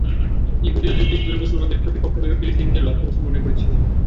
ইহুদিরা যুগ যুগ ধরে মুসলমানদের প্রতিপক্ষ ভেবে ফিলিস্তিনিদের লক্ষ্যবস্তু মনে করছে।